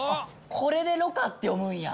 これで魯珈って読むんや。